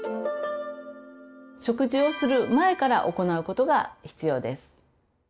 食事をする前から行うことが必要です。